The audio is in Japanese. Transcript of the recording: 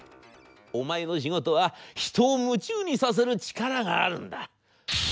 お前の仕事は人を夢中にさせる力があるんだ』。